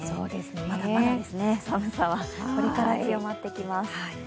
まだまだ寒さはこれから強まってきます。